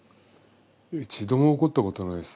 一度も怒ったことないです。